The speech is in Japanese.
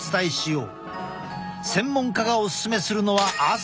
専門家がおすすめするのは朝。